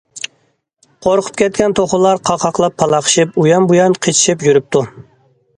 قورقۇپ كەتكەن توخۇلار قاقاقلاپ پالاقشىپ ئۇيان- بۇيان قېچىشىپ يۈرۈپتۇ.